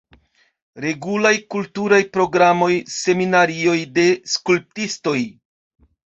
Regulaj kulturaj programoj, seminarioj de skulptistoj.